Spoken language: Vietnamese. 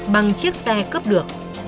bọn chúng tẩu thoát khỏi địa bàn